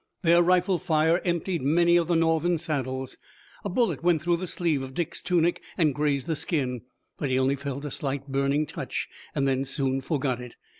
Their rifle fire emptied many of the Northern saddles. A bullet went through the sleeve of Dick's tunic and grazed the skin, but he only felt a slight burning touch and then soon forgot it.